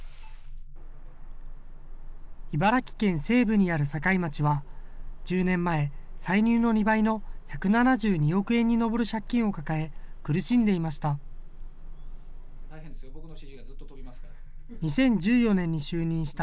茨城県西部にある境町は、１０年前、歳入の２倍の１７２億円に上る借金を抱え、苦しんでいました。